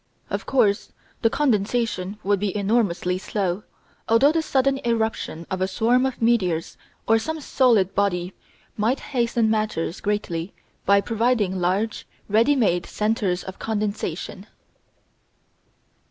Of course the condensation would be enormously slow, although the sudden irruption of a swarm of meteors or some solid body might hasten matters greatly by providing large, ready made centres of condensation.